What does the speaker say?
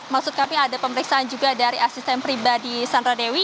maksud kami ada pemeriksaan juga dari asisten pribadi sandra dewi